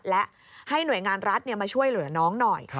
หน่วยงานรัฐและให้หน่วยงานรัฐมาช่วยหน่วยงานน้องหน่อย